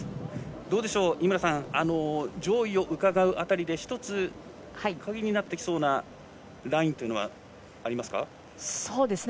どうでしょう、井村さん上位をうかがう辺りで１つ、鍵になってきそうなラインというのはありますか。